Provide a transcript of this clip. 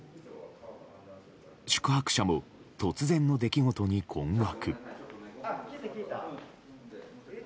宿泊者も突然の出来事に困惑。